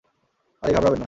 আরে ঘাবড়াবেন না।